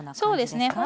そうですね。